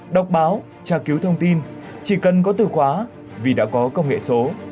đọc báo tra cứu thông tin chỉ cần có từ khóa vì đã có công nghệ số